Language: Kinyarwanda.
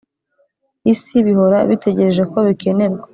isi, bihora bitegereje ko bikenerwa,